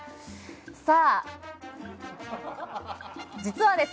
さあ実は、